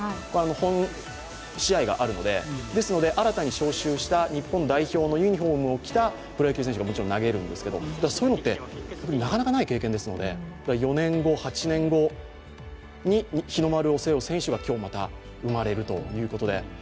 本試合があるので、新たに招集した日本代表のユニフォームを着たプロ野球選手が投げるんですけどそういうのって、なかなかない経験ですので、４年後、８年後に日の丸を背負う選手が今日、また生まれるということで。